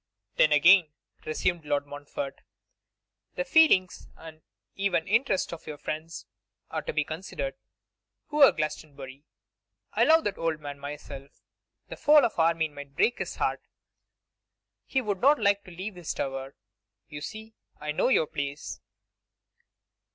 'Then, again,' resumed Lord Montfort, 'the feelings and even interests of your friends are to be considered. Poor Glastonbury! I love that old man myself. The fall of Armine might break his heart; he would not like to leave his tower. You see, I know your place.